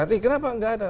eh kenapa tidak ada